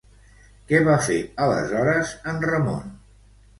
Què va fer aleshores en Ramon?